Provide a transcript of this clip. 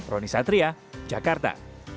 roni satria jakarta